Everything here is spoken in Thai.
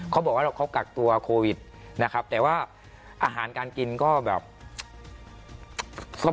เขาบอกว่าเขากักตัวโควิดนะครับแต่ว่าอาหารการกินก็แบบ